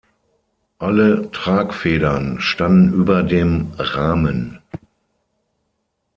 Alle Tragfedern standen über dem Rahmen.